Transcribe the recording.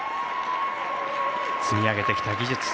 積み上げてきた技術。